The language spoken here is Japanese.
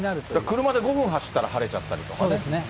車で５分走ったら晴れちゃったりとかね。